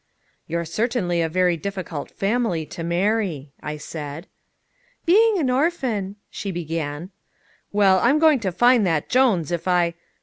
"You're certainly a very difficult family to marry," I said. "Being an orphan " she began. "Well, I'm going to find that Jones if I